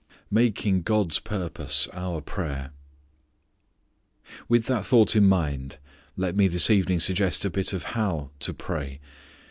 Making God's Purpose Our Prayer. With that thought in mind let me this evening suggest a bit of how to pray.